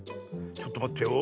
ちょっとまってよ。